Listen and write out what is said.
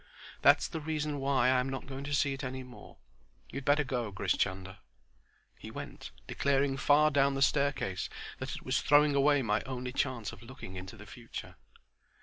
"That is the reason why I am not going to see it any more. You'd better go, Grish Chunder." He went, declaring far down the staircase that it was throwing away my only chance of looking into the future.